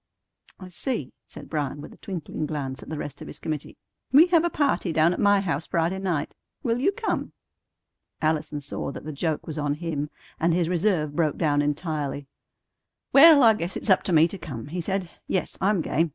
"I see," said Bryan, with a twinkling glance at the rest of his committee. "We have a party down at my house Friday night. Will you come?" Allison saw that the joke was on him, and his reserve broke down entirely. "Well, I guess it's up to me to come," he said. "Yes, I'm game.